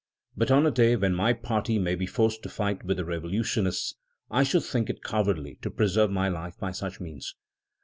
But on a day when my party may be forced to fight with the revolutionists, I should think it cowardly to preserve my life by such means."